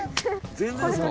全然ですか。